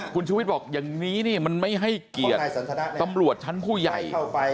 คุณชูวิทย์บอกอย่างนี้นี่มันไม่ให้เกียรติตำรวจชั้นผู้ใหญ่